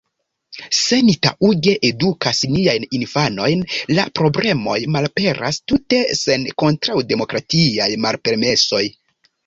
Se ni taŭge edukas niajn infanojn, la problemoj malaperas tute sen kontraŭdemokratiaj malpermesoj.